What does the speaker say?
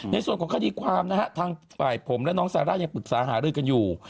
ในส่วนของคดีความนะฮะทางฝ่ายผมและน้องซาร่ายังปรึกษาหารือกันอยู่